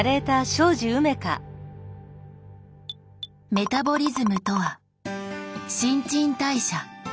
メタボリズムとは「新陳代謝」。